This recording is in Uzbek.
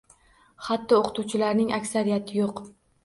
Hatto o‘qituvchilarning aksariyati yo‘q.